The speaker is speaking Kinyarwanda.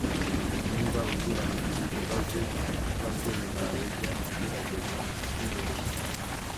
Niba ugirana ibibazo n ababyeyi bawe jya ugerageza kwiyoroshya.